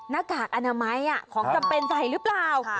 กากอนามัยของจำเป็นใส่หรือเปล่า